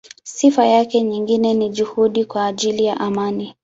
Sifa yake nyingine ni juhudi kwa ajili ya amani.